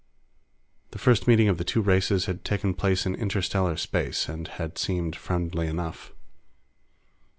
The first meeting of the two races had taken place in interstellar space, and had seemed friendly enough.